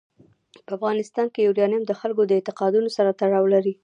په افغانستان کې یورانیم د خلکو د اعتقاداتو سره تړاو لري.